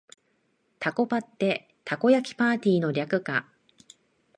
タコパってたこ焼きパーティーの略か